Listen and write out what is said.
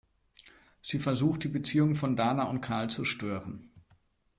Sie versucht, die Beziehung von Dana und Carl zu stören.